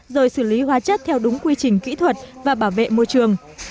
rồi xử lý hóa chất theo đúng quy trình kỹ thuật và bảo vệ môi trường